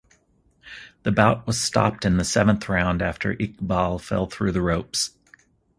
The bout was stopped in the seventh round after Iqbal fell through the ropes.